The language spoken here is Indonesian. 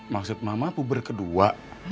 maksud mama puber kedua